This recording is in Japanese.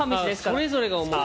それぞれが思う。